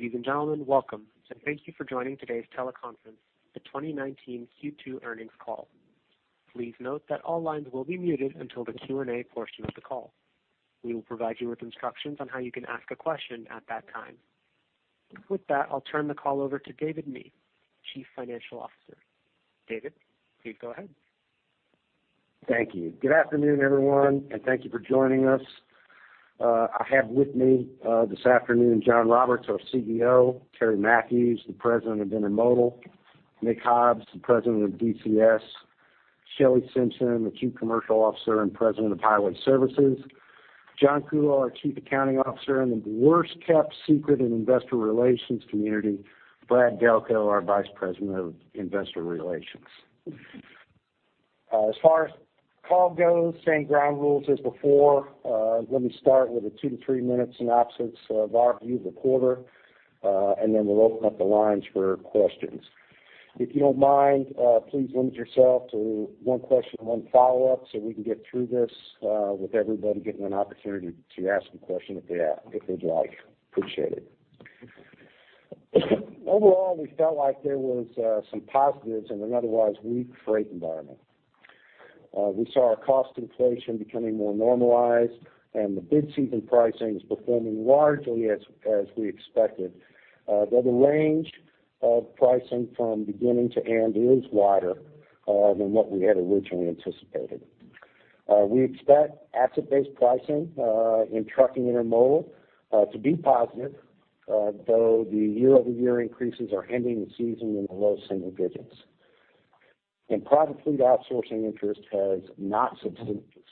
Ladies and gentlemen, welcome, and thank you for joining today's teleconference, the 2019 Q2 earnings call. Please note that all lines will be muted until the Q&A portion of the call. We will provide you with instructions on how you can ask a question at that time. With that, I'll turn the call over to David Mee, Chief Financial Officer. David, please go ahead. Thank you. Good afternoon, everyone, and thank you for joining us. I have with me this afternoon, John Roberts, our CEO, Terry Matthews, the President of Intermodal, Nick Hobbs, the President of DCS, Shelley Simpson, the Chief Commercial Officer and President of Highway Services, John Kuhlow, our Chief Accounting Officer, and the worst kept secret in investor relations community, Brad Delco, our Vice President of Investor Relations. As far as the call goes, same ground rules as before. Let me start with a two to three-minute synopsis of our view of the quarter. We'll open up the lines for questions. If you don't mind, please limit yourself to one question and one follow-up so we can get through this with everybody getting an opportunity to ask a question if they'd like. Appreciate it. Overall, we felt like there was some positives in an otherwise weak freight environment. We saw our cost inflation becoming more normalized and the bid season pricing is performing largely as we expected. The range of pricing from beginning to end is wider than what we had originally anticipated. We expect asset-based pricing in trucking intermodal to be positive, though the year-over-year increases are ending the season in the low single digits. In private fleet outsourcing interest has not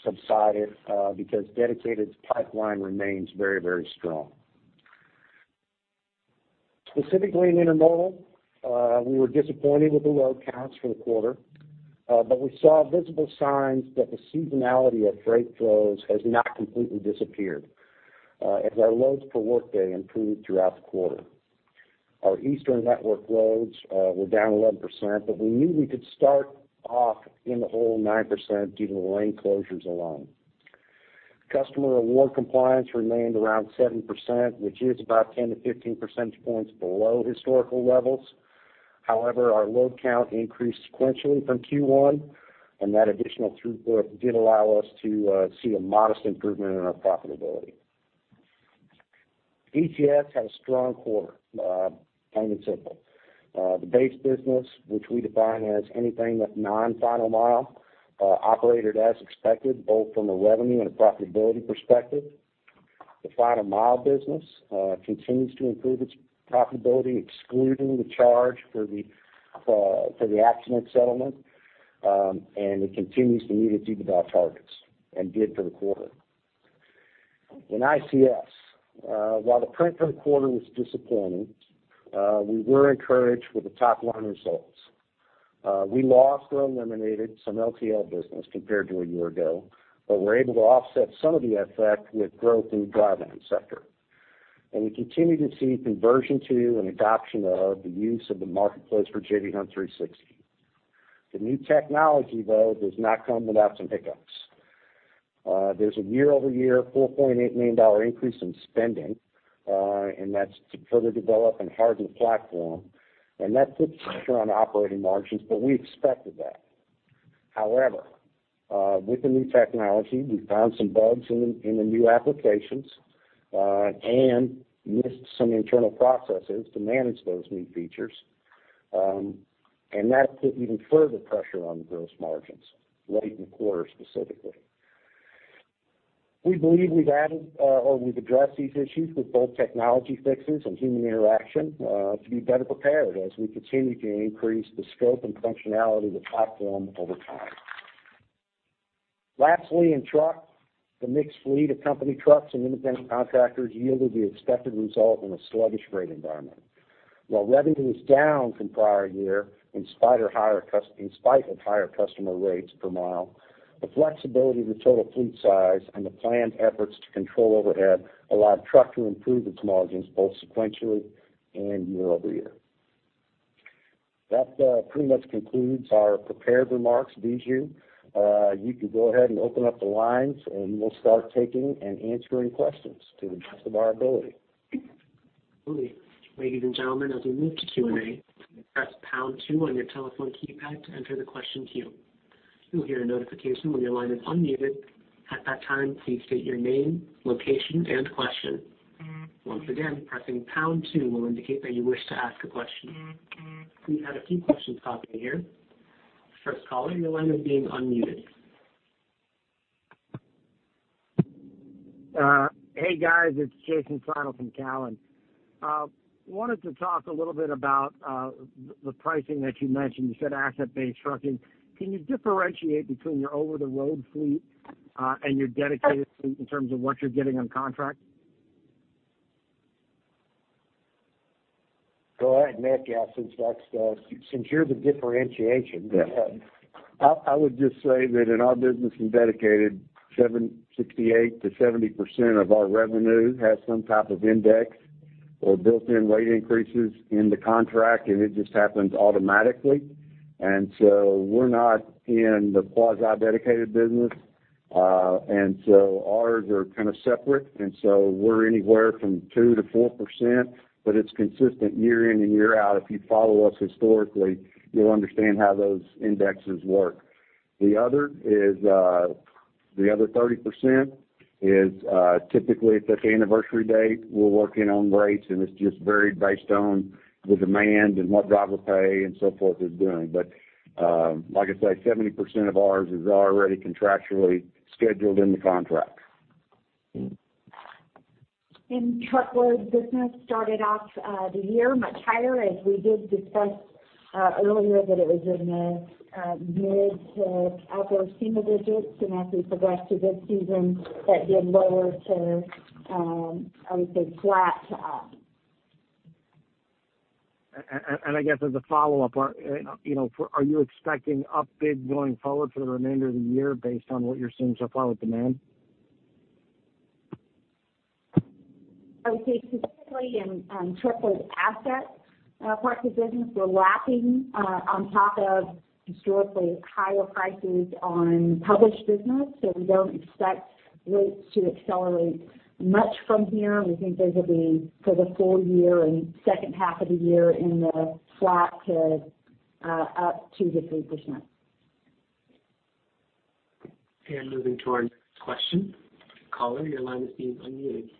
subsided because dedicated pipeline remains very strong. Specifically in intermodal, we were disappointed with the load counts for the quarter. We saw visible signs that the seasonality of freight flows has not completely disappeared, as our loads per workday improved throughout the quarter. Our eastern network loads were down 11%. We knew we could start off in the hole 9% due to the lane closures alone. Customer award compliance remained around 7%, which is about 10-15 percentage points below historical levels. Our load count increased sequentially from Q1, and that additional throughput did allow us to see a modest improvement in our profitability. DCS had a strong quarter, plain and simple. The base business, which we define as anything that's non-Final Mile, operated as expected, both from a revenue and a profitability perspective. The Final Mile business continues to improve its profitability, excluding the charge for the accident settlement, and it continues to meet its EBITDA targets, and did for the quarter. In ICS, while the print for the quarter was disappointing, we were encouraged with the top-line results. We lost or eliminated some LTL business compared to a year ago. We were able to offset some of the effect with growth in the dry van sector. We continue to see conversion to and adoption of the use of the Marketplace for J.B. Hunt 360. The new technology, though, does not come without some hiccups. There's a year-over-year $4.8 million increase in spending, and that's to further develop and harden the platform. That puts pressure on operating margins, but we expected that. However, with the new technology, we found some bugs in the new applications, and missed some internal processes to manage those new features. That put even further pressure on gross margins late in the quarter specifically. We believe we've addressed these issues with both technology fixes and human interaction, to be better prepared as we continue to increase the scope and functionality of the platform over time. Lastly, in truck, the mixed fleet of company trucks and independent contractors yielded the expected result in a sluggish rate environment. While revenue was down from prior year, in spite of higher customer rates per mile, the flexibility of the total fleet size and the planned efforts to control overhead allowed truck to improve its margins both sequentially and year-over-year. That pretty much concludes our prepared remarks. Bijou, you can go ahead and open up the lines, and we'll start taking and answering questions to the best of our ability. Absolutely. Ladies and gentlemen, as we move to Q&A, press pound two on your telephone keypad to enter the question queue. You will hear a notification when your line is unmuted. At that time, please state your name, location, and question. Once again, pressing pound two will indicate that you wish to ask a question. We have a few questions popping in. First caller, your line is being unmuted. Hey, guys, it's Jason Seidl from Cowen. Wanted to talk a little bit about the pricing that you mentioned. You said asset-based trucking. Can you differentiate between your over-the-road fleet and your dedicated fleet in terms of what you're getting on contract? Go ahead, Nick. Yeah, since you're the differentiation. I would just say that in our business in Dedicated, 68%-70% of our revenue has some type of index or built-in rate increases in the contract, and it just happens automatically. We're not in the quasi-dedicated business. Ours are kind of separate. We're anywhere from 2%-4%, but it's consistent year in and year out. If you follow us historically, you'll understand how those indexes work. The other 30% is typically if it's an anniversary date, we're working on rates, and it's just varied based on the demand and what driver pay and so forth is doing. Like I say, 70% of ours is already contractually scheduled in the contract. Truckload business started off the year much higher as we did discuss earlier that it was in the mid to upper single digits. As we progressed through this season, that did lower to, I would say flat to up. I guess as a follow-up, are you expecting up bid going forward for the remainder of the year based on what you're seeing so far with demand? I would say specifically in truckload asset parts of business, we're lapping on top of historically higher prices on published business. We don't expect rates to accelerate much from here. We think those will be for the full year and second half of the year in the flat to up 2%-3%. Moving to our next question. Caller, your line is being unmuted.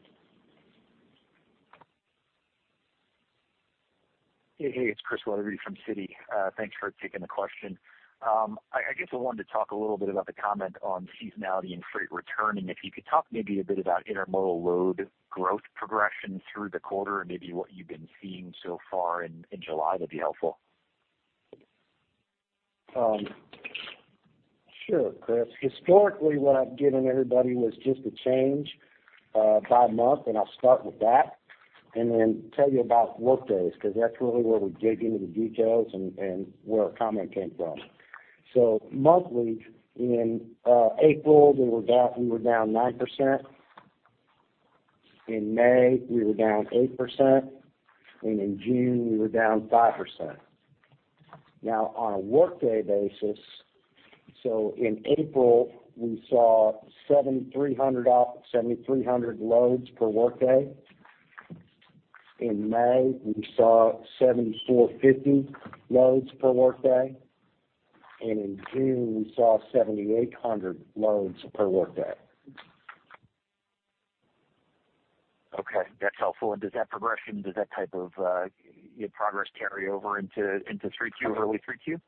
Hey, it's Chris Wetherbee from Citi. Thanks for taking the question. I guess I wanted to talk a little bit about the comment on seasonality and freight returning. If you could talk maybe a bit about intermodal load growth progression through the quarter and maybe what you've been seeing so far in July, that'd be helpful. Sure, Chris. Historically, what I've given everybody was just a change by month. I'll start with that and then tell you about workdays because that's really where we dig into the details and where our comment came from. Monthly, in April, we were down 9%. In May, we were down 8%, and in June, we were down 5%. Now on a workday basis, in April, we saw 7,300 loads per workday. In May, we saw 7,450 loads per workday, and in June, we saw 7,800 loads per workday. Okay, that's helpful. Does that progression, does that type of progress carry over into early 3Q?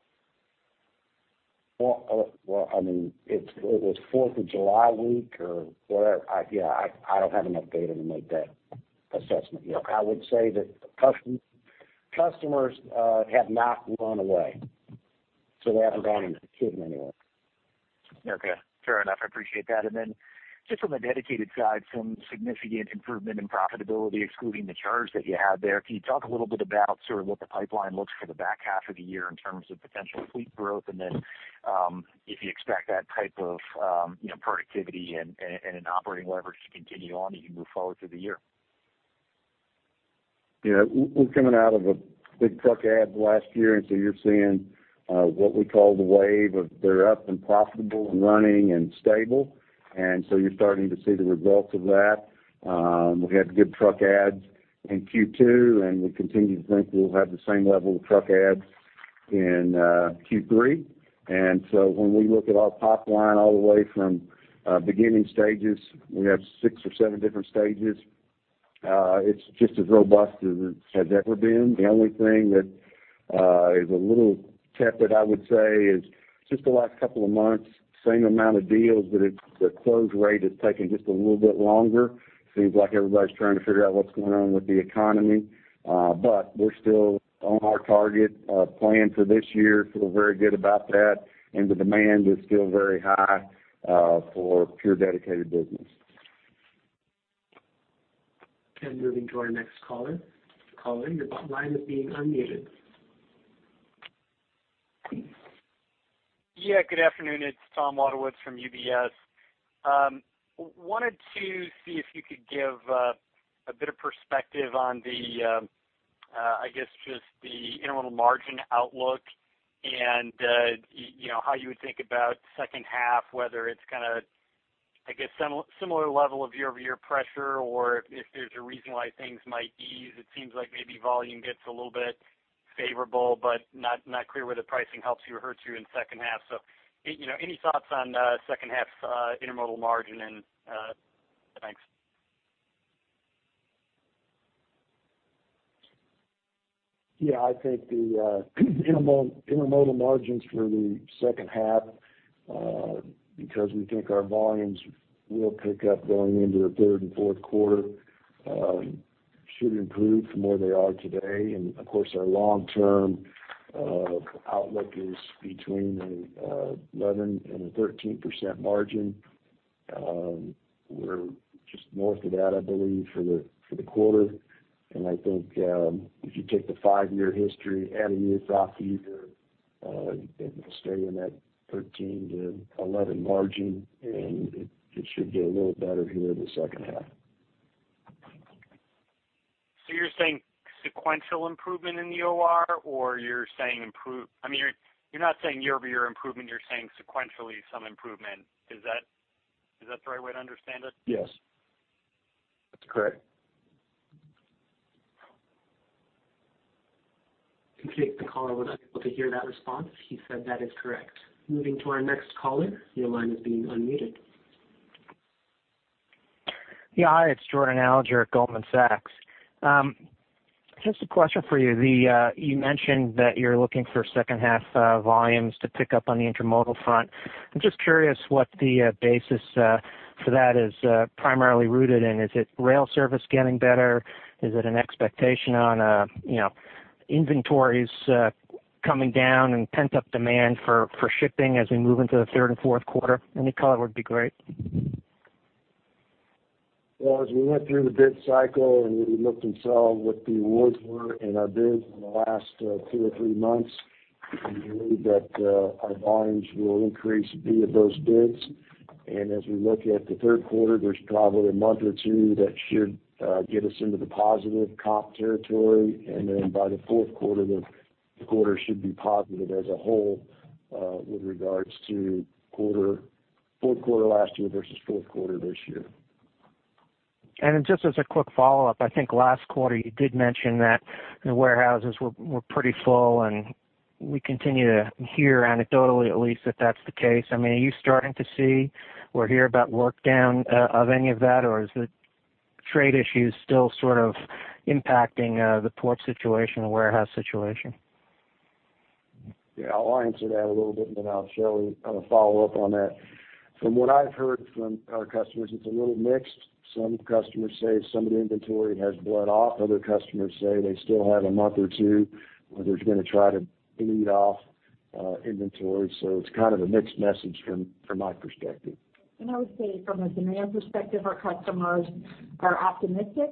Well, it was 4th of July week or whatever. I don't have enough data to make that assessment yet. I would say that customers have not run away, so they haven't gone anywhere. Okay. Fair enough. I appreciate that. Then just from a Dedicated side, some significant improvement in profitability excluding the charge that you had there. Can you talk a little bit about sort of what the pipeline looks for the back half of the year in terms of potential fleet growth and then if you expect that type of productivity and operating leverage to continue on as you move forward through the year? We're coming out of a big truck add last year, you're seeing what we call the wave of they're up and profitable and running and stable. You're starting to see the results of that. We had good truck adds in Q2, we continue to think we'll have the same level of truck adds in Q3. When we look at our pipeline all the way from beginning stages, we have six or seven different stages. It's just as robust as it has ever been. The only thing that is a little tepid, I would say, is just the last couple of months, same amount of deals, but the close rate has taken just a little bit longer. Seems like everybody's trying to figure out what's going on with the economy. We're still on our target plan for this year, feel very good about that, and the demand is still very high for pure dedicated business. Moving to our next caller. Caller, your line is being unmuted. Good afternoon, it's Tom Wadewitz from UBS. Wanted to see if you could give a bit of perspective on the, I guess just the internal margin outlook and how you would think about second half, whether it's kind of, I guess, similar level of year-over-year pressure, or if there's a reason why things might ease. It seems like maybe volume gets a little bit favorable, but not clear whether pricing helps you or hurts you in second half. Any thoughts on second half's intermodal margin and Thanks. I think the intermodal margins for the second half, because we think our volumes will pick up going into the third and fourth quarter, should improve from where they are today. Of course, our long-term outlook is between an 11% and a 13% margin. We're just north of that, I believe, for the quarter. I think if you take the five-year history, add a year of rough season, it'll stay in that 13%-11% margin, and it should get a little better here in the second half. You're saying sequential improvement in the OR, or you're saying You're not saying year-over-year improvement, you're saying sequentially some improvement. Is that the right way to understand it? Yes. That's correct. I think the caller was unable to hear that response. He said that is correct. Moving to our next caller, your line is being unmuted. Yeah. Hi, it's Jordan Alliger at Goldman Sachs. Just a question for you. You mentioned that you're looking for second half volumes to pick up on the intermodal front. I'm just curious what the basis for that is primarily rooted in. Is it rail service getting better? Is it an expectation on inventories coming down and pent-up demand for shipping as we move into the third and fourth quarter? Any color would be great. Well, as we went through the bid cycle and we looked and saw what the awards were in our bids in the last two or three months, we believe that our volumes will increase via those bids. As we look at the third quarter, there's probably a month or two that should get us into the positive comp territory, and then by the fourth quarter, the quarter should be positive as a whole with regards to fourth quarter last year versus fourth quarter this year. Just as a quick follow-up, I think last quarter you did mention that the warehouses were pretty full, and we continue to hear anecdotally at least that that's the case. Are you starting to see or hear about work down of any of that, or is the trade issues still sort of impacting the port situation or warehouse situation? I'll answer that a little bit, and then I'll have Shelley follow up on that. From what I've heard from our customers, it's a little mixed. Some customers say some of the inventory has bled off. Other customers say they still have a month or two where there's going to try to bleed off inventory. It's kind of a mixed message from my perspective. I would say from a demand perspective, our customers are optimistic.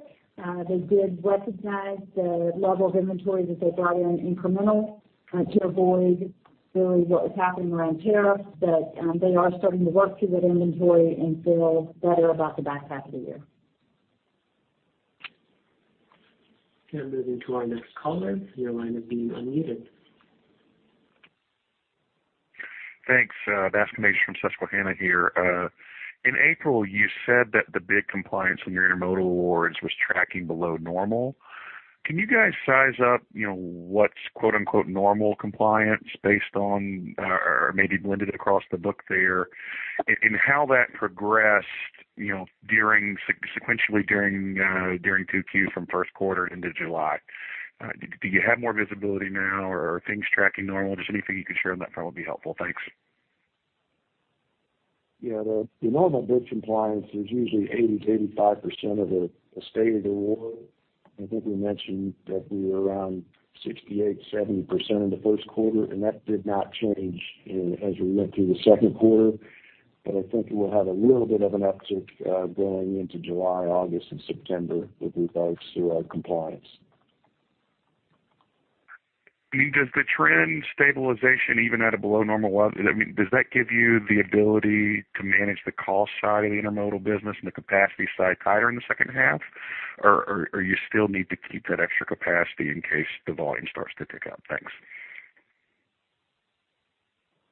They did recognize the level of inventory that they brought in incremental to avoid really what was happening around tariffs. They are starting to work through that inventory and feel better about the back half of the year. Okay, moving to our next caller. Your line is being unmuted. Thanks. Bascome Majors from Susquehanna here. In April, you said that the big compliance on your intermodal awards was tracking below normal. Can you guys size up what's "normal compliance" based on or maybe blended across the book there, and how that progressed sequentially during 2Q from first quarter into July? Do you have more visibility now, or are things tracking normal? Just anything you could share on that front would be helpful. Thanks. Yeah. The normal bid compliance is usually 80%-85% of the state of the award. I think we mentioned that we were around 68%-70% in the first quarter, and that did not change as we went through the second quarter. I think we'll have a little bit of an uptick going into July, August, and September with regards to our compliance. Does the trend stabilization even at a below normal level, does that give you the ability to manage the cost side of the intermodal business and the capacity side tighter in the second half? You still need to keep that extra capacity in case the volume starts to pick up? Thanks.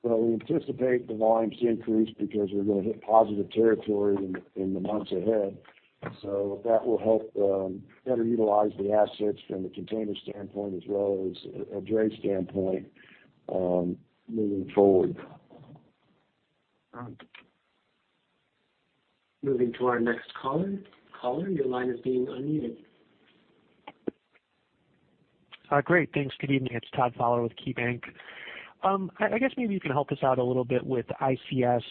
We anticipate the volumes to increase because we're going to hit positive territory in the months ahead. That will help better utilize the assets from the container standpoint as well as a dray standpoint moving forward. Moving to our next caller. Caller, your line is being unmuted. Great. Thanks. Good evening. It's Todd Fowler with KeyBanc. I guess maybe you can help us out a little bit with ICS.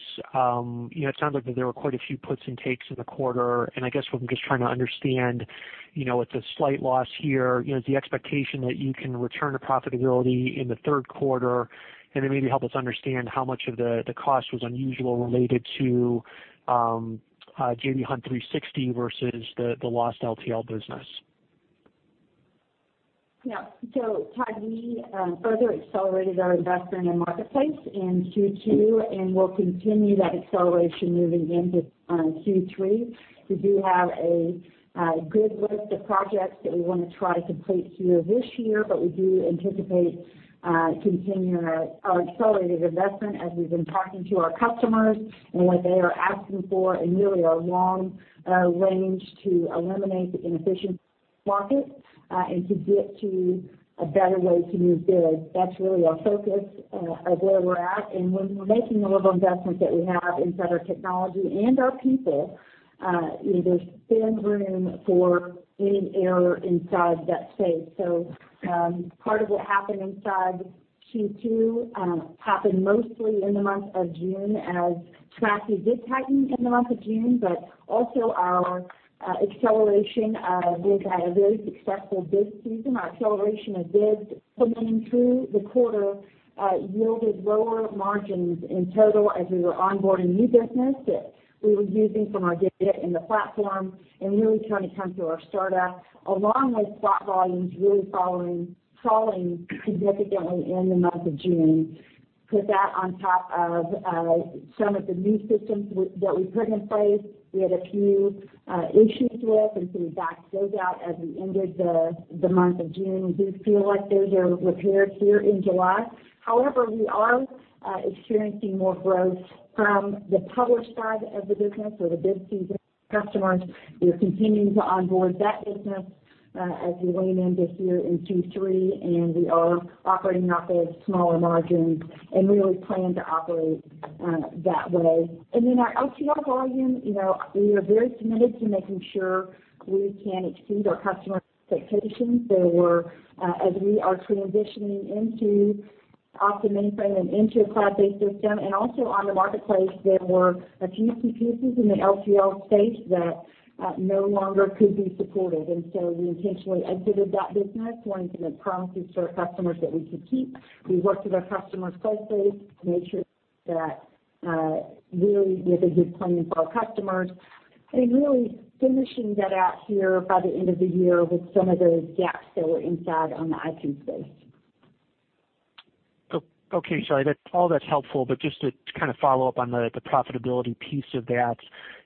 It sounds like there were quite a few puts and takes in the quarter, and I guess what I'm just trying to understand, it's a slight loss here. Is the expectation that you can return to profitability in the third quarter? Then maybe help us understand how much of the cost was unusual related to J.B. Hunt 360 versus the lost LTL business. Yeah. Todd, we further accelerated our investment in Marketplace in Q2, and we'll continue that acceleration moving into Q3. We do have a good list of projects that we want to try to complete here this year, but we do anticipate continuing our accelerated investment as we've been talking to our customers and what they are asking for, and really our long range to eliminate the inefficient market, and to get to a better way to move goods. That's really our focus of where we're at, and when we're making the level of investment that we have inside our technology and our people, there's thin room for any error inside that space. Part of what happened inside Q2 happened mostly in the month of June as capacity did tighten in the month of June. Also our acceleration of bids had a very successful bid season. Our acceleration of bids coming through the quarter yielded lower margins in total as we were onboarding new business that we were using from our data in the platform and really trying to come to our start up along with spot volumes really falling significantly in the month of June. Put that on top of some of the new systems that we put in place. We had a few issues with, we backed those out as we ended the month of June. We do feel like those are repaired here in July. However, we are experiencing more growth from the published side of the business or the bid season customers. We are continuing to onboard that business as we lean in this year in Q3, we are operating off of smaller margins and really plan to operate that way. Our LTL volume, we are very committed to making sure we can exceed our customer expectations. As we are transitioning off the mainframe and into a cloud-based system and also on the Marketplace, there were a few CPAs in the LTL space that no longer could be supported. We intentionally exited that business wanting to make promises to our customers that we could keep. We worked with our customers closely to make sure that really we have a good plan for our customers and really finishing that out here by the end of the year with some of those gaps that were inside on the ICS space. Okay, Shelley. All that's helpful, just to kind of follow up on the profitability piece of that,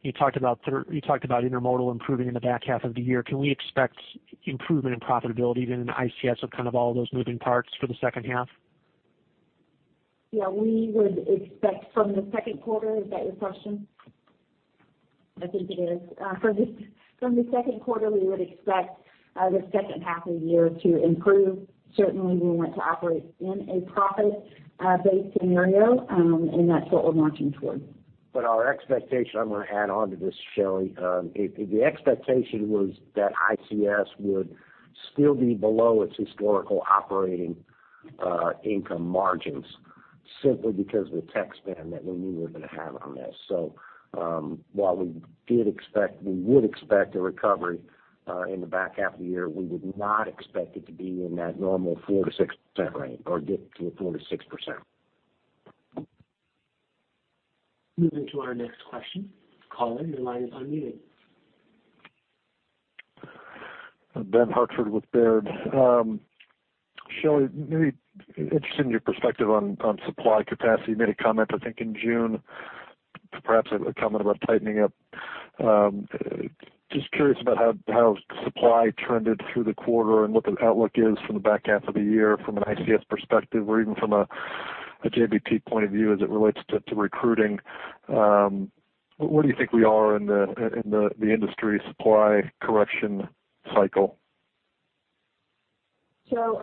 you talked about intermodal improving in the back half of the year. Can we expect improvement in profitability, given the ICS of kind of all those moving parts for the second half? We would expect from the second quarter, is that your question? I think it is. From the second quarter, we would expect the second half of the year to improve. Certainly, we want to operate in a profit-based scenario, that's what we're marching toward. Our expectation, I'm going to add onto this, Shelley. If the expectation was that ICS would still be below its historical operating income margins, simply because of the tech spend that we knew we were going to have on this. While we would expect a recovery in the back half of the year, we would not expect it to be in that normal 4%-6% range or get to a 4%-6%. Moving to our next question. Caller, your line is unmuted. Ben Hartford with Baird. Shelley, maybe interested in your perspective on supply capacity. You made a comment, I think, in June, perhaps a comment about tightening up. Just curious about how supply trended through the quarter and what the outlook is for the back half of the year from an ICS perspective, or even from a JBT point of view as it relates to recruiting. Where do you think we are in the industry supply correction cycle?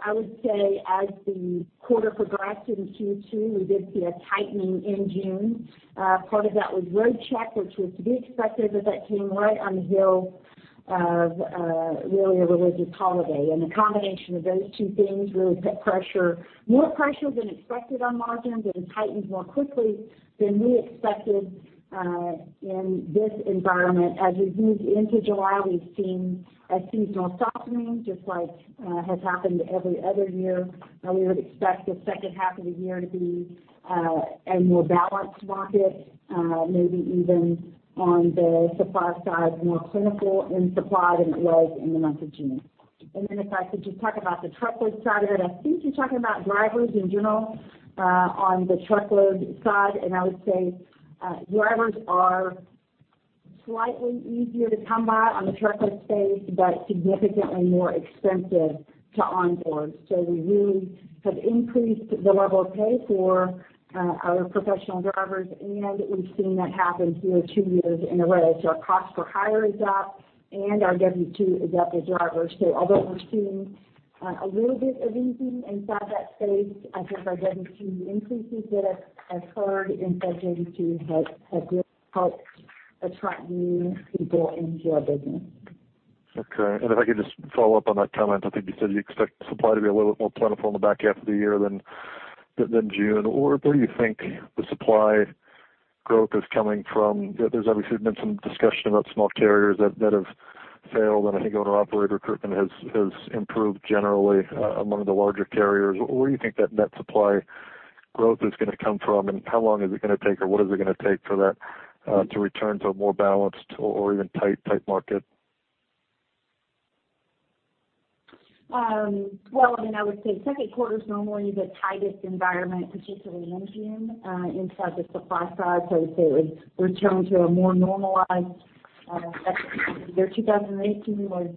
I would say as the quarter progressed in Q2, we did see a tightening in June. Part of that was Roadcheck, which was to be expected, but that came right on the heel of a religious holiday. The combination of those two things really put more pressure than expected on margins. It has tightened more quickly than we expected in this environment. As we've moved into July, we've seen a seasonal softening, just like has happened every other year. We would expect the second half of the year to be a more balanced market, maybe even on the supply side, more plentiful in supply than it was in the month of June. If I could just talk about the truckload side of it, I think you are talking about drivers in general on the truckload side. I would say drivers are slightly easier to come by on the truckload space, but significantly more expensive to onboard. We really have increased the level of pay for our professional drivers, and we have seen that happen here two years in a row. Our cost for hire is up and our W2 is up as drivers. Although we are seeing a little bit of easing inside that space, I think our W2 increases that I have heard inside JBT have really helped attract new people into our business. Okay. If I could just follow up on that comment, I think you said you expect supply to be a little bit more plentiful in the back half of the year than June. Where do you think the supply growth is coming from? There is obviously been some discussion about small carriers that have failed, and I think owner-operator recruitment has improved generally among the larger carriers. Where do you think that net supply growth is going to come from, and how long is it going to take, or what is it going to take for that to return to a more balanced or even tight market? Well, I would say second quarter is normally the tightest environment particularly in June inside the supply side. I would say we are returning to a more normalized. The year 2018 was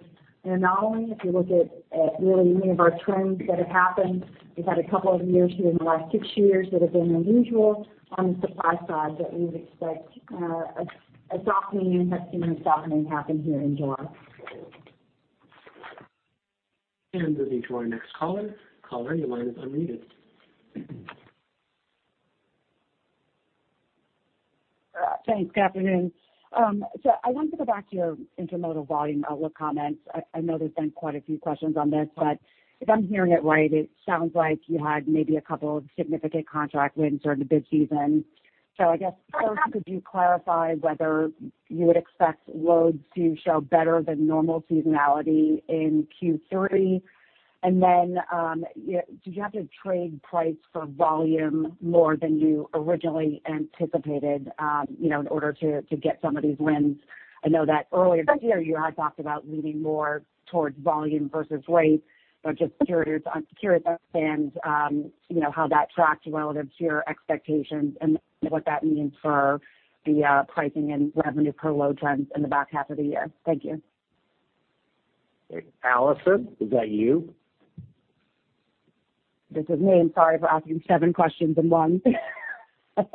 an anomaly. If you look at really any of our trends that have happened, we have had a couple of years here in the last six years that have been unusual on the supply side, but we would expect a softening, and that seasonal softening happened here in July. Moving to our next caller. Caller, your line is unmuted. Thanks. Good afternoon. I wanted to go back to your intermodal volume outlook comments. I know there's been quite a few questions on this, if I'm hearing it right, it sounds like you had maybe a couple of significant contract wins during the bid season. I guess, first, could you clarify whether you would expect loads to show better than normal seasonality in Q3? And then did you have to trade price for volume more than you originally anticipated in order to get some of these wins? I know that earlier this year you had talked about leaning more towards volume versus weight. Just sequentials on sequentials and how that tracks relative to your expectations and what that means for the pricing and revenue per load trends in the back half of the year. Thank you. Allison, is that you? This is me. I'm sorry for asking seven questions in one. That's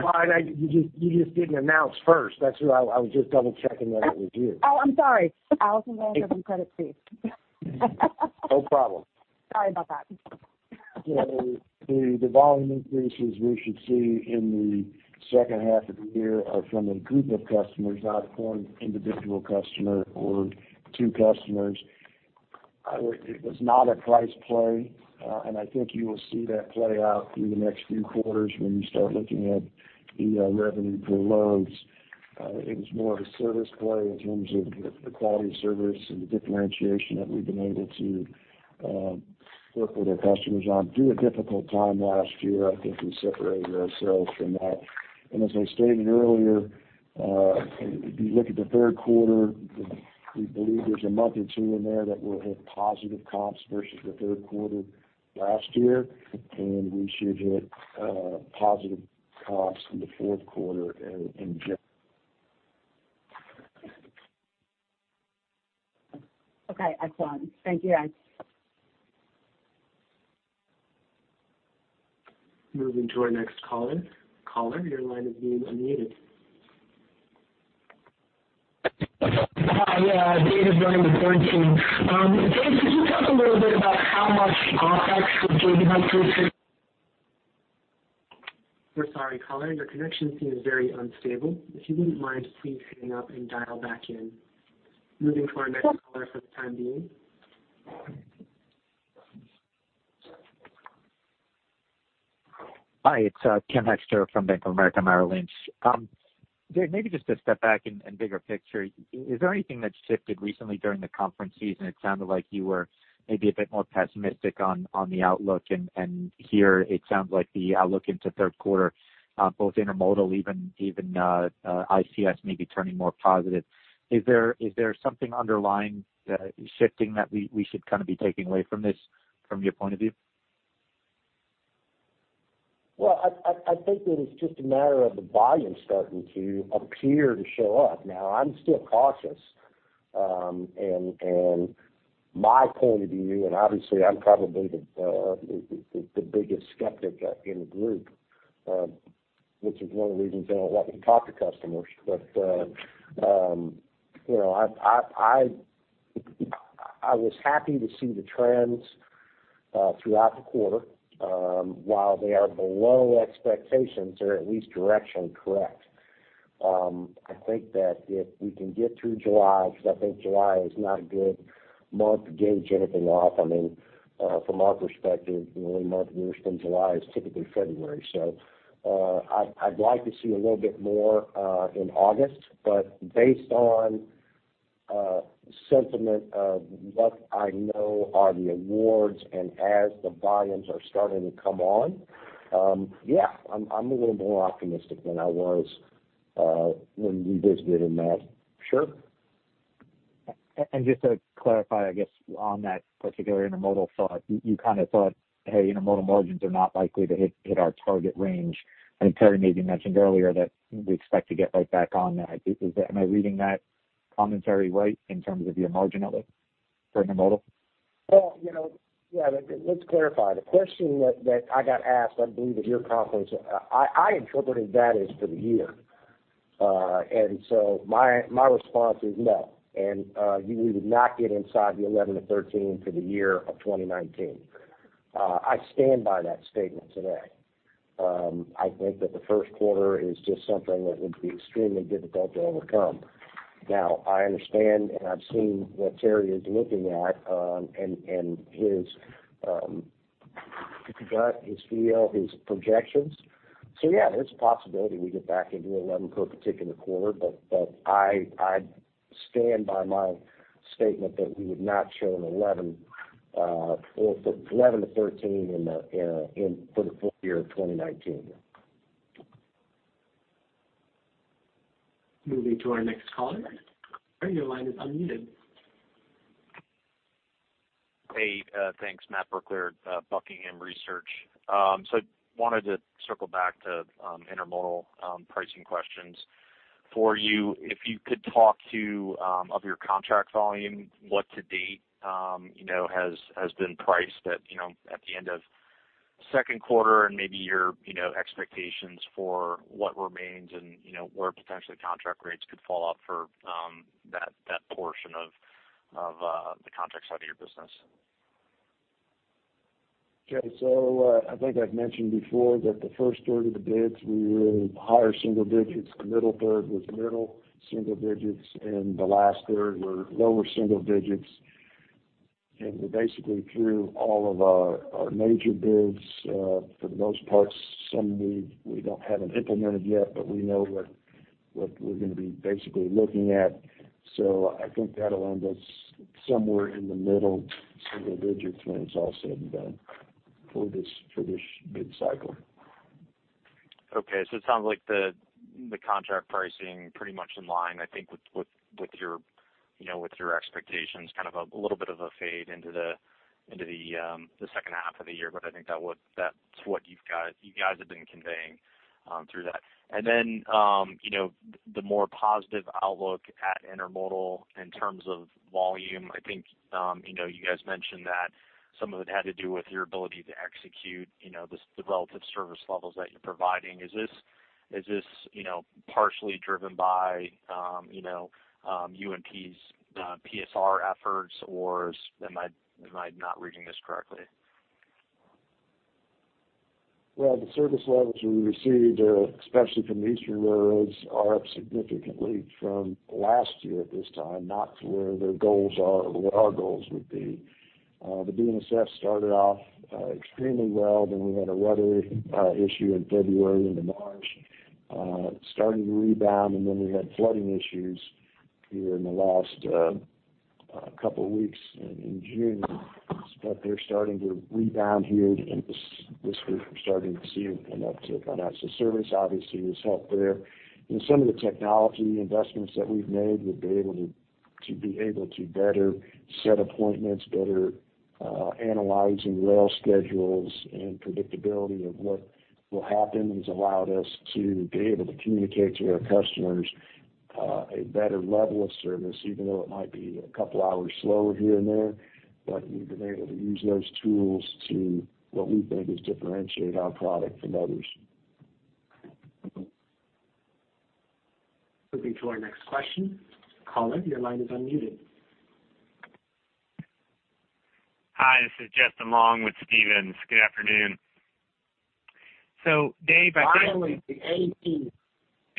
fine. You just didn't announce first. That's what I was just double-checking that it was you. Oh, I'm sorry. Allison Landry from Credit Suisse. No problem. Sorry about that. The volume increases we should see in the second half of the year are from a group of customers, not one individual customer or two customers. It was not a price play. I think you will see that play out through the next few quarters when you start looking at the revenue per loads. It was more of a service play in terms of the quality of service and the differentiation that we've been able to work with our customers on through a difficult time last year. I think we separated ourselves from that. As I stated earlier, if you look at the third quarter, we believe there's a month or two in there that will hit positive comps versus the third quarter last year, and we should hit positive comps in the fourth quarter. Okay, I follow. Thank you, guys. Moving to our next caller. Caller, your line is being unmuted. Hi, David Vernon with Bernstein. Dave, could you talk a little bit about. We're sorry, caller. Your connection seems very unstable. If you wouldn't mind, please hang up and dial back in. Moving to our next caller for the time being. Hi, it's Ken Hoexter from Bank of America Merrill Lynch. Dave, maybe just to step back, bigger picture, is there anything that shifted recently during the conference season? It sounded like you were maybe a bit more pessimistic on the outlook. Here it sounds like the outlook into third quarter, both intermodal, even ICS, maybe turning more positive. Is there something underlying shifting that we should be taking away from this from your point of view? I think that it's just a matter of the volume starting to appear to show up. Now, I'm still cautious. My point of view, and obviously, I'm probably the biggest skeptic in the group, which is one of the reasons they don't let me talk to customers. I was happy to see the trends throughout the quarter, while they are below expectations or at least direction correct. I think that if we can get through July, I think July is not a good month to gauge anything off. From our perspective, the leading month of the year from July is typically February. I'd like to see a little bit more in August. Based on sentiment of what I know are the awards and as the volumes are starting to come on, yeah, I'm a little more optimistic than I was when we visited in May. Sure. Just to clarify, I guess, on that particular intermodal thought, you kind of thought, hey, intermodal margins are not likely to hit our target range. Terry maybe mentioned earlier that we expect to get right back on that. Am I reading that commentary right in terms of your margin outlook for intermodal? Well, yeah. Let's clarify. The question that I got asked, I believe at your conference, I interpreted that as for the year. My response is no. We would not get inside the 11 to 13 for the year of 2019. I stand by that statement today. I think that the first quarter is just something that would be extremely difficult to overcome. Now, I understand, and I've seen what Terry is looking at, and his gut, his feel, his projections. Yeah, there's a possibility we get back into 11 for a particular quarter, but I stand by my statement that we would not show an 11-13 for the full year of 2019. Moving to our next caller. Sir, your line is unmuted. Hey, thanks. Matthew Brooklier, Buckingham Research. I wanted to circle back to intermodal pricing questions for you. If you could talk to, of your contract volume, what to date has been priced at the end of second quarter and maybe your expectations for what remains and where potentially contract rates could fall off for that portion of the contract side of your business. Okay. I think I've mentioned before that the first third of the bids were in higher single digits, the middle third was middle single digits, and the last third were lower single digits. We're basically through all of our major bids for the most part. Some we don't have implemented yet, but we know what we're going to be basically looking at. I think that'll end us somewhere in the middle single digits when it's all said and done for this bid cycle. Okay. It sounds like the contract pricing pretty much in line, I think with your expectations, a little bit of a fade into the second half of the year. I think that's what you guys have been conveying through that. The more positive outlook at Intermodal in terms of volume, I think, you mentioned that some of it had to do with your ability to execute, the relative service levels that you're providing. Is this partially driven by UNP's PSR efforts, or am I not reading this correctly? The service levels we received, especially from the eastern railroads, are up significantly from last year at this time, not to where their goals are or what our goals would be. The BNSF started off extremely well. We had a weather issue in February into March. Starting to rebound, we had flooding issues here in the last couple weeks in June. They're starting to rebound here in this week. We're starting to see it come up to par. Service obviously is helped there. Some of the technology investments that we've made to be able to better set appointments, better analyzing rail schedules, and predictability of what will happen has allowed us to be able to communicate to our customers a better level of service, even though it might be a couple hours slower here and there. We've been able to use those tools to, what we think, is differentiate our product from others. Moving to our next question. Caller, your line is unmuted. Hi, this is Justin Long with Stephens. Good afternoon. Dave. Finally, the AT. Finally, you got the AT.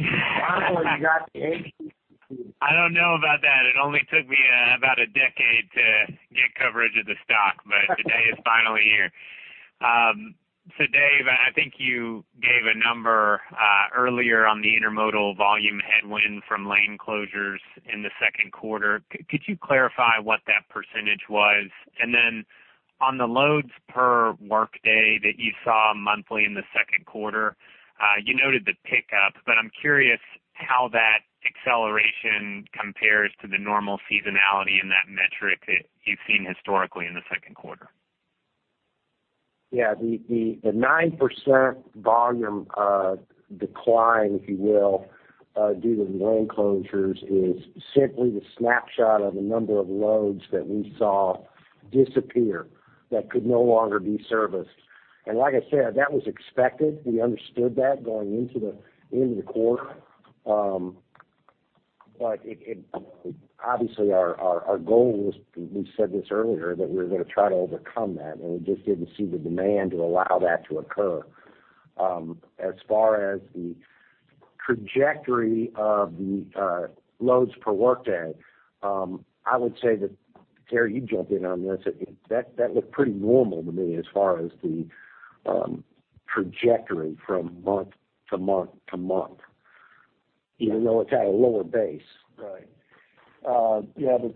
I don't know about that. It only took me about a decade to get coverage of the stock, but the day is finally here. Dave, I think you gave a number earlier on the intermodal volume headwind from lane closures in the second quarter. Could you clarify what that percentage was? On the loads per workday that you saw monthly in the second quarter, you noted the pickup, but I'm curious how that acceleration compares to the normal seasonality in that metric that you've seen historically in the second quarter. Yeah. The 9% volume decline, if you will, due to the lane closures is simply the snapshot of the number of loads that we saw disappear that could no longer be serviced. Like I said, that was expected. We understood that going into the quarter. Obviously our goal was, we said this earlier, that we were going to try to overcome that, we just didn't see the demand to allow that to occur. As far as the trajectory of the loads per workday, I would say that, Terry, you jump in on this, that looked pretty normal to me as far as the trajectory from month to month to month, even though it's at a lower base. Right. Yeah, the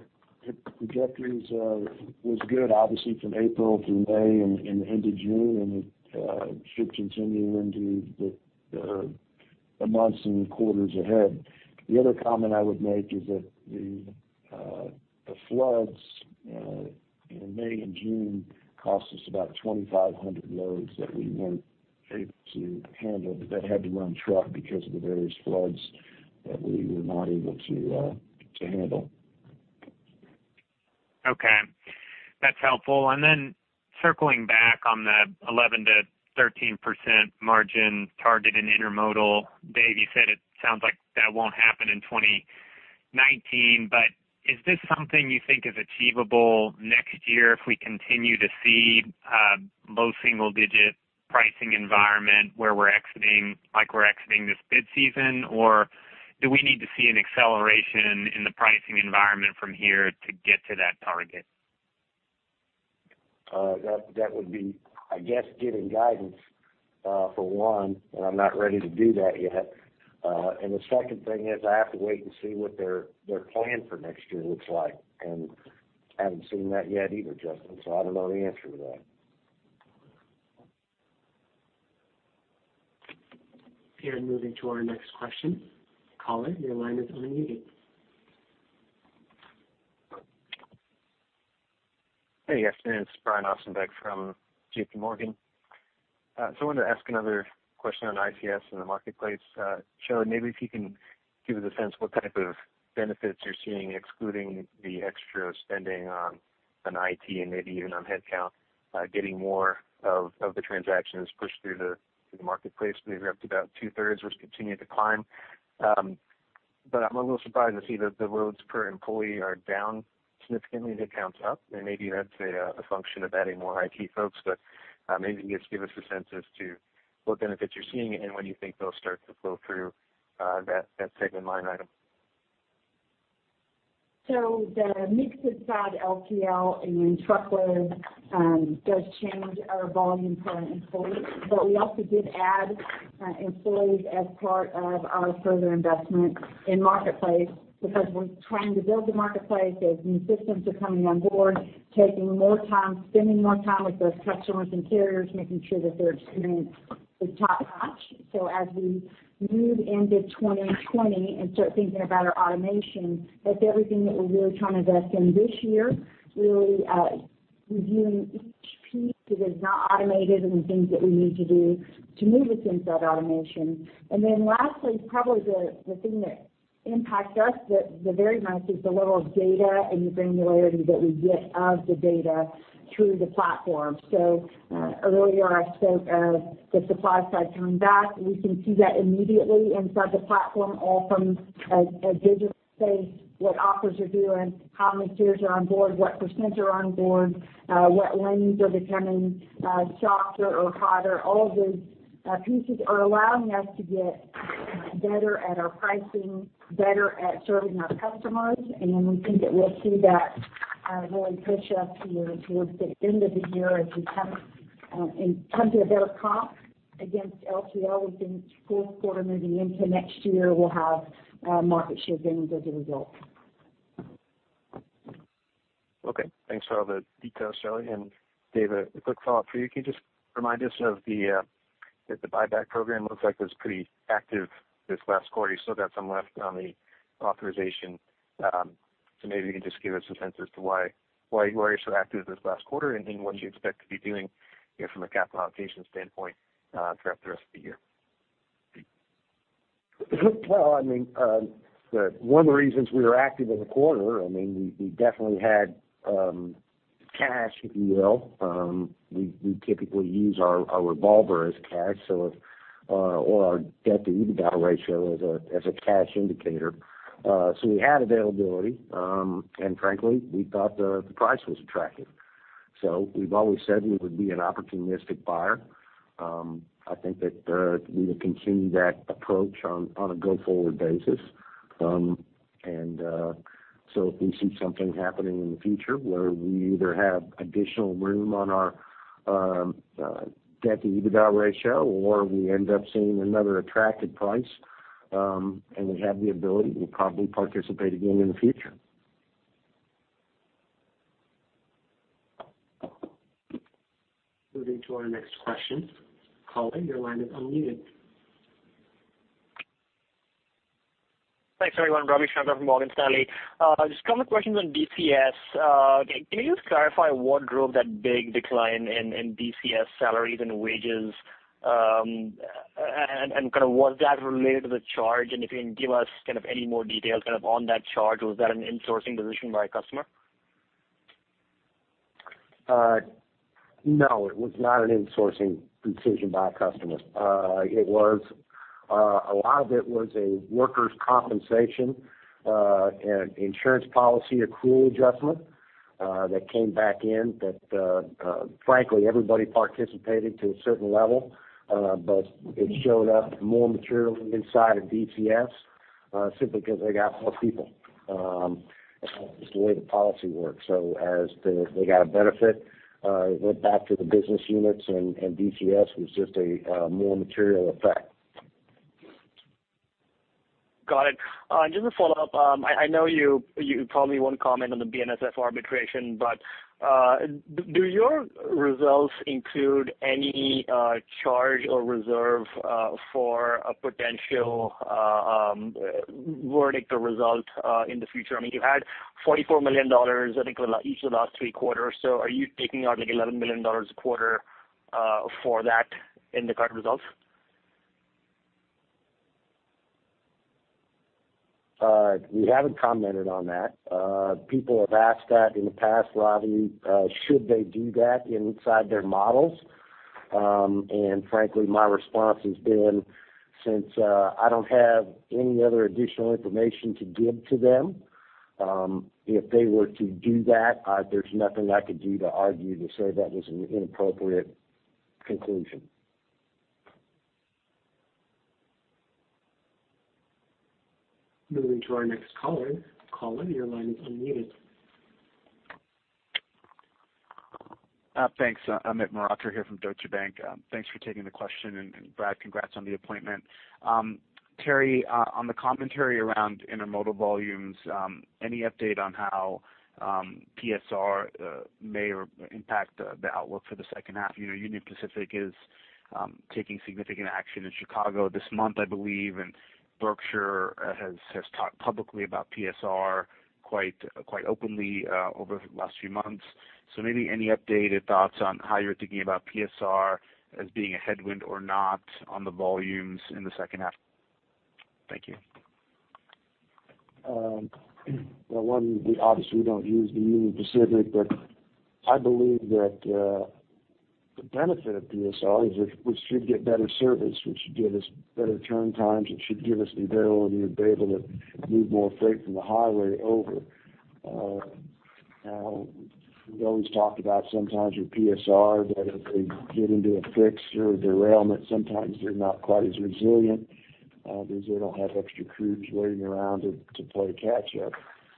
trajectories was good, obviously from April through May and into June, it should continue into the months and quarters ahead. The other comment I would make is that the floods in May and June cost us about 2,500 loads that we weren't able to handle, that had to run truck because of the various floods that we were not able to handle. That's helpful. Circling back on the 11%-13% margin target in intermodal. Dave, you said it sounds like that won't happen in 2019, but is this something you think is achievable next year if we continue to see low single digit pricing environment where we're exiting this bid season? Do we need to see an acceleration in the pricing environment from here to get to that target? That would be, I guess, giving guidance, for one, and I'm not ready to do that yet. The second thing is I have to wait and see what their plan for next year looks like. I haven't seen that yet either, Justin Long, I don't know the answer to that. Moving to our next question. Caller, your line is unmuted. Hey, guys. It's Brian Ossenbeck from JPMorgan. I wanted to ask another question on ICS in the Marketplace. Shelley Simpson, maybe if you can give us a sense what type of benefits you're seeing, excluding the extra spending on IT and maybe even on headcount, getting more of the transactions pushed through the Marketplace. Maybe you're up to about two-thirds, which continue to climb. I'm a little surprised to see that the loads per employee are down significantly, the headcount's up. Maybe that's a function of adding more IT folks, but maybe can you just give us a sense as to what benefits you're seeing and when you think they'll start to flow through that segment line item? The mix of side LTL and truckload does change our volume per employee. We also did add employees as part of our further investment in Marketplace because we're trying to build the Marketplace. As new systems are coming on board, taking more time, spending more time with those customers and carriers, making sure that their experience is top-notch. As we move into 2020 and start thinking about our automation, that's everything that we're really trying to invest in this year, really reviewing each piece that is not automated and the things that we need to do to move us into that automation. Lastly, probably the thing that impacts us the very most is the level of data and the granularity that we get of the data through the platform. Earlier I spoke of the supply side coming back. We can see that immediately inside the platform, all from a digital space, what offers are due, and how many peers are on board, what percents are on board, what lanes are becoming softer or hotter. All of those pieces are allowing us to get better at our pricing, better at serving our customers. We think that we'll see that really push us towards the end of the year as we come to a better comp against LTL within this full quarter. Moving into next year, we'll have market share gains as a result. Okay. Thanks for all the details, Shelley. David, a quick follow-up for you. Can you just remind us if the buyback program looks like it was pretty active this last quarter? You still got some left on the authorization. Maybe you can just give us a sense as to why you were so active this last quarter and what you expect to be doing from a capital allocation standpoint throughout the rest of the year. Well, one of the reasons we were active in the quarter, we definitely had cash, if you will. We typically use our revolver as cash or our debt to EBITDA ratio as a cash indicator. We had availability, and frankly, we thought the price was attractive. We've always said we would be an opportunistic buyer. I think that we will continue that approach on a go-forward basis. If we see something happening in the future where we either have additional room on our debt to EBITDA ratio or we end up seeing another attractive price, and we have the ability, we'll probably participate again in the future. Moving to our next question. Caller, your line is unmuted. Thanks, everyone. Ravi Shanker from Morgan Stanley. Just a couple of questions on DCS. Can you just clarify what drove that big decline in DCS salaries and wages? Was that related to the charge? If you can give us any more details on that charge. Was that an insourcing decision by a customer? No, it was not an insourcing decision by a customer. A lot of it was a workers' compensation and insurance policy accrual adjustment that came back in that frankly, everybody participated to a certain level. It showed up more materially inside of DCS simply because they got more people. It's the way the policy works. As they got a benefit, it went back to the business units, and DCS was just a more material effect. Got it. Just a follow-up. I know you probably won't comment on the BNSF arbitration, but do your results include any charge or reserve for a potential verdict or result in the future? You had $44 million, I think, each of the last three quarters. Are you taking out $11 million a quarter for that in the current results? We haven't commented on that. People have asked that in the past, Ravi, should they do that inside their models? Frankly, my response has been, since I don't have any other additional information to give to them, if they were to do that, there's nothing I could do to argue to say that was an inappropriate conclusion. Moving to our next caller. Caller, your line is unmuted. Thanks. Amit Mehrotra from Deutsche Bank. Thanks for taking the question. Brad, congrats on the appointment. Terry, on the commentary around intermodal volumes, any update on how PSR may impact the outlook for the second half? Union Pacific is taking significant action in Chicago this month, I believe, Berkshire has talked publicly about PSR quite openly over the last few months. Maybe any updated thoughts on how you're thinking about PSR as being a headwind or not on the volumes in the second half? Thank you. One, obviously we don't use the Union Pacific, but I believe that the benefit of PSR is we should get better service, which should give us better turn times. It should give us the ability to be able to move more freight from the highway over. We always talk about sometimes your PSR, that if they get into a fix or a derailment, sometimes they're not quite as resilient, because they don't have extra crews waiting around to play catch up.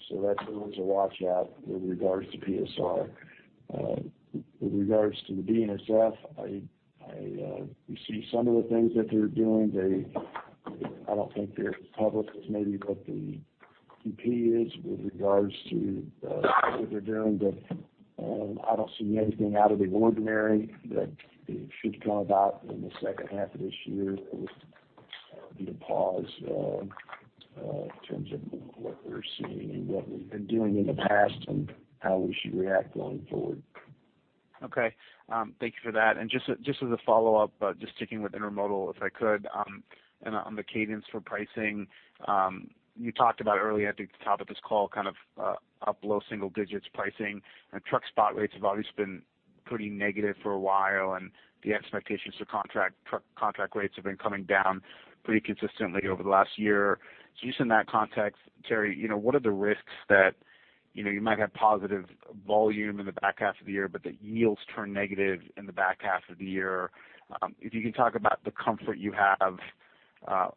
That's the ones to watch out with regards to PSR. With regards to the BNSF, we see some of the things that they're doing. I don't think they're as public as maybe what the UP is with regards to what they're doing. I don't see anything out of the ordinary that should come about in the second half of this year. It would be to pause in terms of what we're seeing and what we've been doing in the past, and how we should react going forward. Okay. Thank you for that. Just as a follow-up, just sticking with intermodal, if I could, and on the cadence for pricing. You talked about early at the top of this call, up low single digits pricing. Truck spot rates have always been pretty negative for a while, and the expectations for contract rates have been coming down pretty consistently over the last year. Just in that context, Terry, what are the risks that you might have positive volume in the back half of the year, but the yields turn negative in the back half of the year? If you can talk about the comfort you have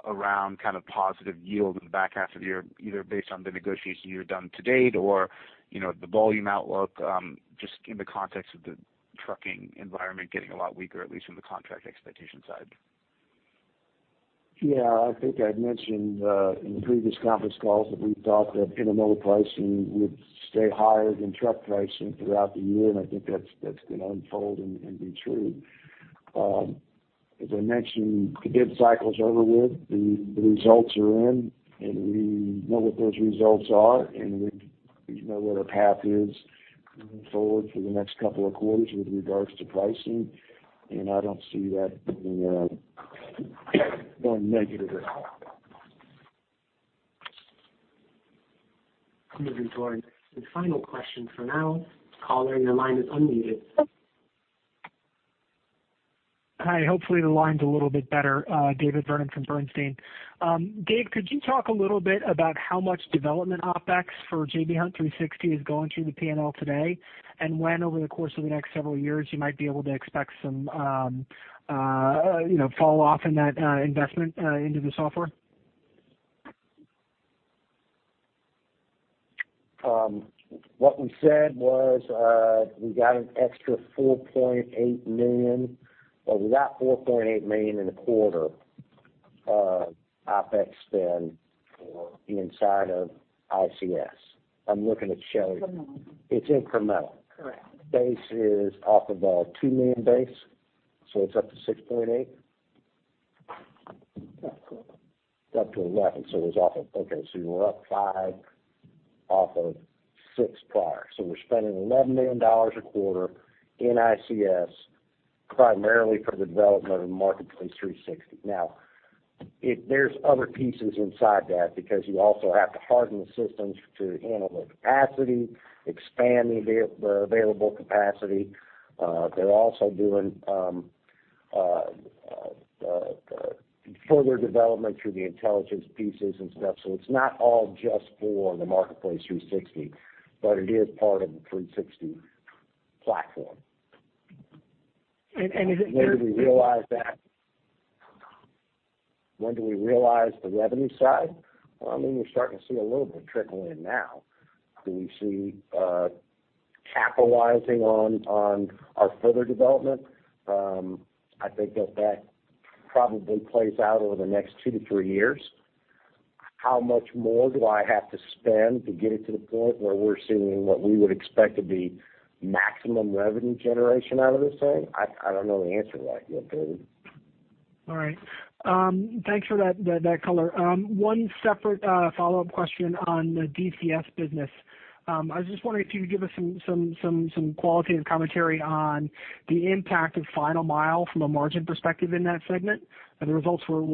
around positive yield in the back half of the year, either based on the negotiation you've done to date or the volume outlook, just in the context of the trucking environment getting a lot weaker, at least from the contract expectation side. Yeah. I think I mentioned in the previous conference calls that we thought that intermodal pricing would stay higher than truck pricing throughout the year, and I think that's going to unfold and be true. As I mentioned, the bid cycle's over with. The results are in, and we know what those results are, and we know what our path is moving forward for the next couple of quarters with regards to pricing. I don't see that being going negative at all. Moving toward the final question for now. Caller, your line is unmuted. Hi. Hopefully the line's a little bit better. David Vernon from Bernstein. Dave, could you talk a little bit about how much development OpEx for J.B. Hunt 360 is going to the P&L today? When over the course of the next several years you might be able to expect some fall off in that investment into the software? What we said was, we got an extra $4.8 million, or we got $4.8 million in the quarter OpEx spend for inside of ICS. I'm looking at Shelley. Incremental. It's incremental. Correct. Base is off of a two million base, so it's up to $6.8 million. It's up to $11 million. Okay, we're up five off of six prior. We're spending $11 million a quarter in ICS, primarily for the development of Marketplace 360. There's other pieces inside that, because you also have to harden the systems to handle the capacity, expand the available capacity. They're also doing further development through the intelligence pieces and stuff. It's not all just for the Marketplace 360, but it is part of the J.B. Hunt 360 platform. Is it? When do we realize that? When do we realize the revenue side? We're starting to see a little bit trickle in now. Do we see capitalizing on our further development? I think that that probably plays out over the next two to three years. How much more do I have to spend to get it to the point where we're seeing what we would expect to be maximum revenue generation out of this thing? I don't know the answer to that yet, David. All right. Thanks for that color. One separate follow-up question on the DCS business. I was just wondering if you could give us some qualitative commentary on the impact of Final Mile from a margin perspective in that segment. The results were a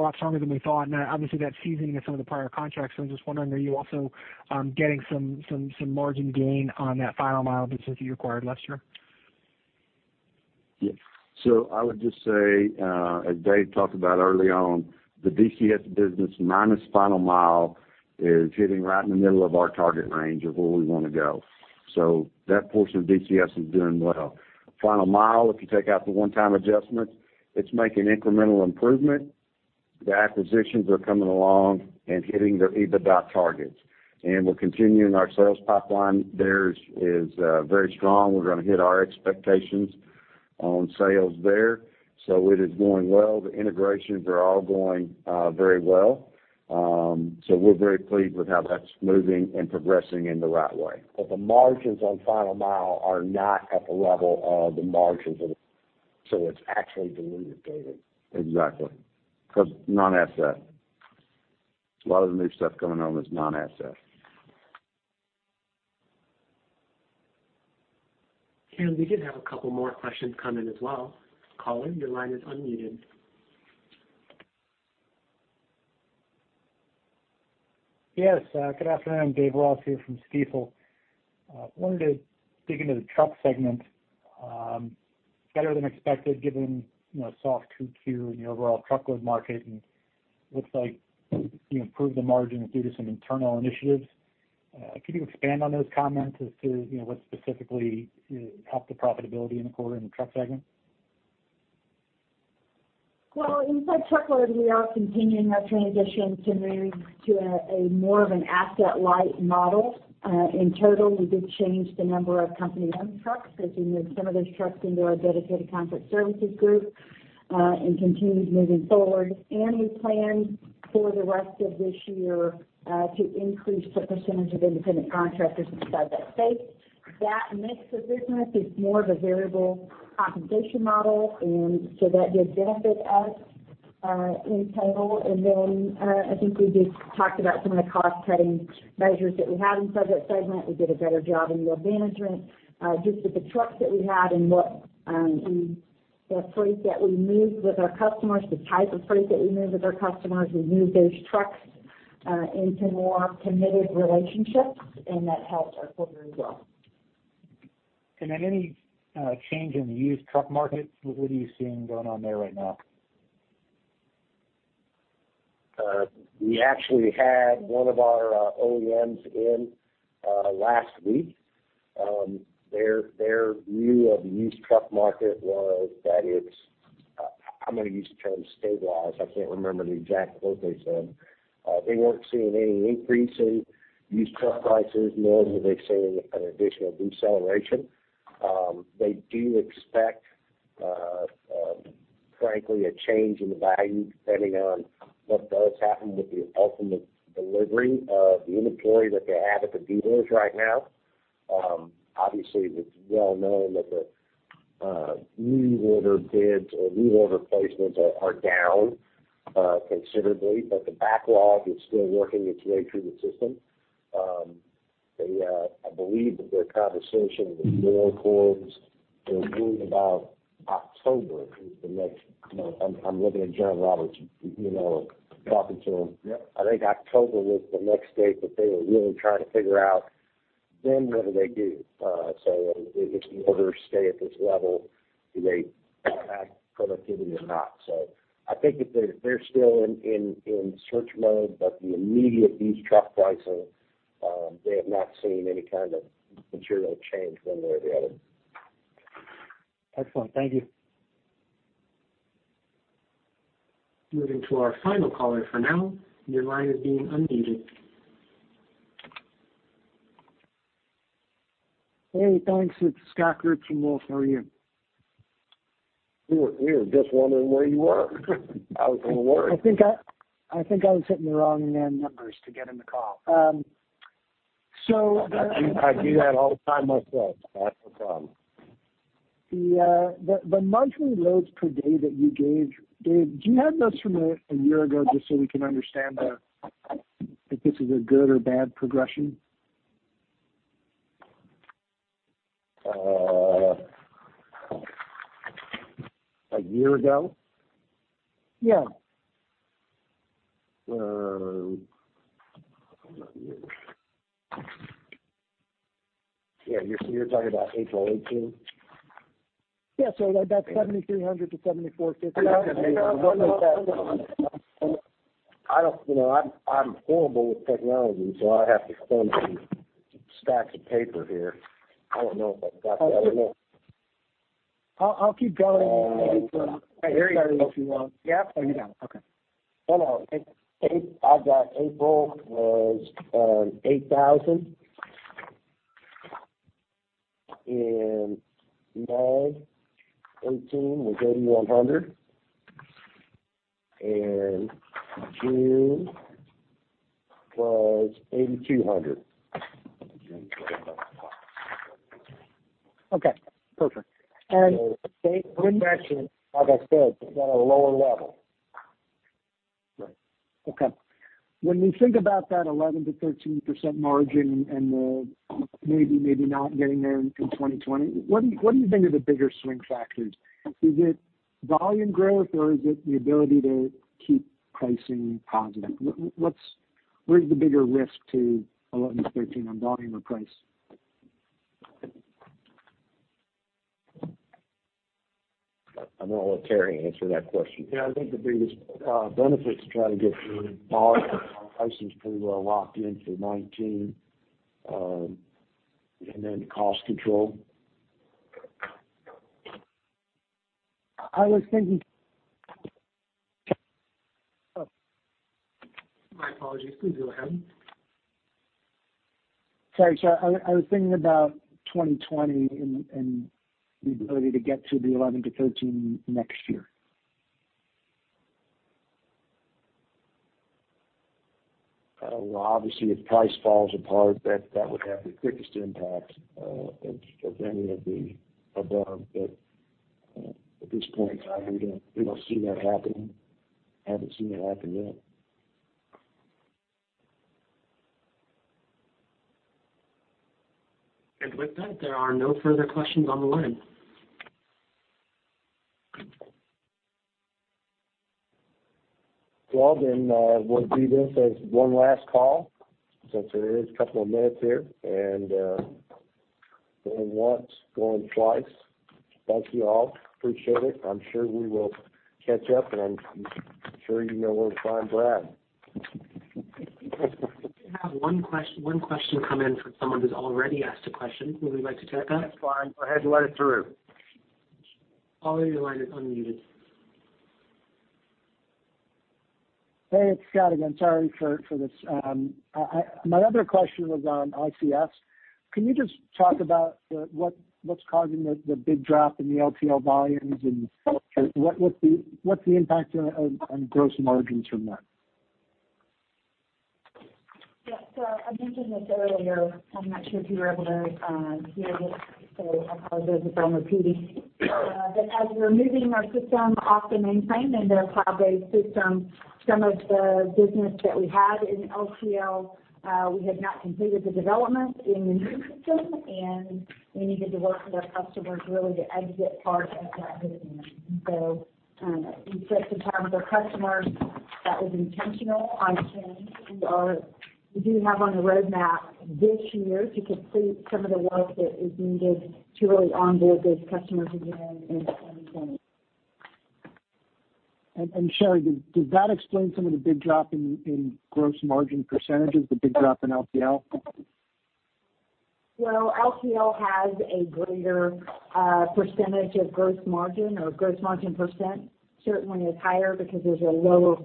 lot stronger than we thought, and obviously that seasoning of some of the prior contracts. I'm just wondering, are you also getting some margin gain on that Final Mile business you acquired last year? Yes. I would just say, as Dave talked about early on, the DCS business minus Final Mile is hitting right in the middle of our target range of where we want to go. That portion of DCS is doing well. Final Mile, if you take out the one-time adjustments, it's making incremental improvement. The acquisitions are coming along and hitting their EBITDA targets. We're continuing our sales pipeline there is very strong. We're going to hit our expectations on sales there. It is going well. The integrations are all going very well. We're very pleased with how that's moving and progressing in the right way. The margins on Final Mile are not at the level of the margins of It's actually dilutive, David. Exactly. Because non-asset. A lot of the new stuff coming on is non-asset. We did have a couple more questions come in as well. Caller, your line is unmuted. Yes. Good afternoon. Dave Ross here from Stifel. Wanted to dig into the truck segment. Better than expected given soft 2Q in the overall truckload market, looks like you improved the margin due to some internal initiatives. Could you expand on those comments as to what specifically helped the profitability in the quarter in the truck segment? Well, inside truckload, we are continuing our transition to more of an asset-light model. In total, we did change the number of company-owned trucks, as we moved some of those trucks into our Dedicated Contract Services group, continued moving forward. We plan for the rest of this year to increase the percentage of independent contractors inside that space. That mix of business is more of a variable compensation model, so that did benefit us in total. Then, I think we just talked about some of the cost-cutting measures that we have in subject segment. We did a better job in yield management just with the trucks that we had and the freight that we moved with our customers, the type of freight that we moved with our customers. We moved those trucks into more committed relationships, that helped our quarter as well. Then any change in the used truck market? What are you seeing going on there right now? We actually had one of our OEMs in last week. Their view of the used truck market was that it's, I'm going to use the term stabilized. I can't remember the exact quote they said. They weren't seeing any increase in used truck prices, nor were they seeing an additional deceleration. They do expect, frankly, a change in the value depending on what does happen with the ultimate delivery of the inventory that they have at the dealers right now. Obviously, it's well-known that the new order bids or new order placements are down considerably, the backlog is still working its way through the system. I believe that their conversation with their boards was really about October. I'm looking at John Roberts, talking to him. Yep. I think October was the next date that they were really trying to figure out what do they do. If the orders stay at this level, do they add productivity or not? I think they're still in search mode, the immediate used truck pricing, they have not seen any kind of material change one way or the other. Excellent. Thank you. Moving to our final caller for now. Your line is being unmuted. Hey, thanks. It's Scott Group from Wolfe. How are you? We were just wondering where you were. I was getting worried. I think I was hitting the wrong nine numbers to get in the call. I do that all the time myself. That's the problem. The monthly loads per day that you gave, Dave, do you have those from a year ago just so we can understand if this is a good or bad progression? A year ago? Yeah. Yeah, you're talking about April 2018? Yeah, so about 7,300-7,450. Hang on one second. I'm horrible with technology. I have to flip through stacks of paper here. I don't know if I've got that or not. I'll keep going. Uh. If you want. Yep. Oh, you got them. Okay. No, I've got April was 8,000. May 2018 was 8,100. June was 8,200. Okay. Perfect. Same progression, like I said, but at a lower level. Right. Okay. When we think about that 11%-13% margin and the maybe not getting there in 2020, what do you think are the bigger swing factors? Is it volume growth, or is it the ability to keep pricing positive? Where's the bigger risk to 11%-13%, on volume or price? I'm going to let Terry answer that question. Yeah, I think the biggest benefit to try to get through volume. Our pricing's pretty well locked in through 2019. Cost control. I was thinking My apologies. Please go ahead. Sorry, I was thinking about 2020 and the ability to get to the 11-13 next year. Well, obviously, if price falls apart, that would have the quickest impact of any of the above. At this point in time, we don't see that happening. Haven't seen it happen yet. With that, there are no further questions on the line. Well, we'll do this as one last call since there is a couple of minutes here. Going once, going twice. Thank you all. Appreciate it. I'm sure we will catch up, and I'm sure you know where to find Brad. We have one question come in from someone who's already asked a question. Would we like to take that? That's fine. Go ahead and let it through. Caller, your line is unmuted. Hey, it's Scott again. Sorry for this. My other question was on ICS. Can you just talk about what's causing the big drop in the LTL volumes and what's the impact on gross margins from that? Yeah. I mentioned this earlier, I'm not sure if you were able to hear this, I apologize if I'm repeating. As we're moving our system off the mainframe and to a cloud-based system, some of the business that we had in LTL, we had not completed the development in the new system, and we needed to work with our customers really to exit part of that business. In terms of customers, that was intentional on change. We do have on the roadmap this year to complete some of the work that is needed to really onboard those customers again in 2020. Shelley, does that explain some of the big drop in gross margin percent, the big drop in LTL? Well, LTL has a greater percentage of gross margin, or gross margin percent certainly is higher because there's a lower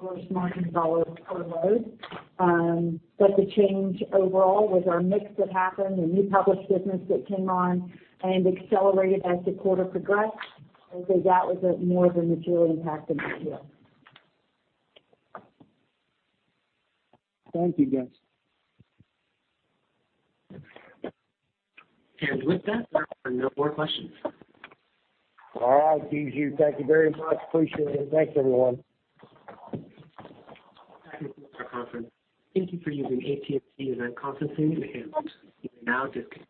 gross margin dollar per load. The change overall was our mix that happened, the new published business that came on and accelerated as the quarter progressed. I would say that was more of the majority impact of LTL. Thank you, guys. With that, there are no more questions. All right, GG, thank you very much. Appreciate it. Thanks, everyone. That concludes our conference. Thank you for using AT&T Event Conference Room. You may now disconnect.